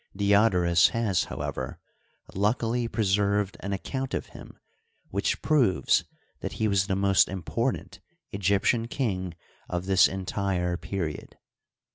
Diodorus has, however, luckily preserved an ac count of him which proves that he was the most impor tant Egyptian king of this entire period.